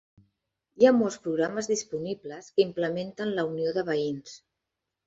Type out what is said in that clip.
Hi ha molts programes disponibles que implementen la unió de veïns.